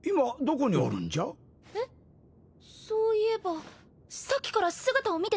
えっそういえばさっきから姿を見てないわ！